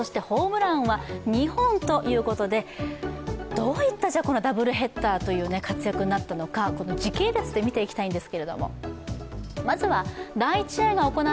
どういったダブルヘッダーという活躍になったのか時系列で見ていきたいと思います。